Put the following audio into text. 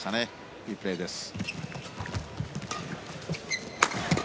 いいプレーでした。